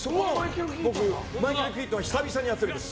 僕、マイケル・キートンを久々にやってるんです。